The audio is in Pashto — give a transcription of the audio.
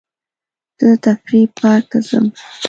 زه د تفریح پارک ته ځم.